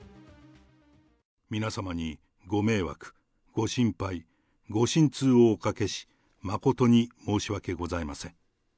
皆様にご迷惑、ご心配、ご心痛をおかけし、誠に申し訳ございません。